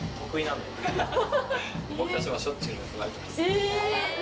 え！